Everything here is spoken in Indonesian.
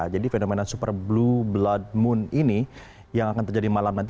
fenomena super blue blood moon ini yang akan terjadi malam nanti